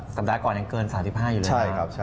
สัปดาห์ก่อนอันเกิน๓๕อยู่เลยนะครับ